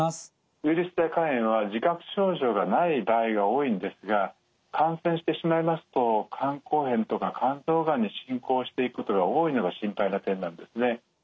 ウイルス性肝炎は自覚症状がない場合が多いんですが感染してしまいますと肝硬変とか肝臓がんに進行していくことが多いのが心配な点なんですね。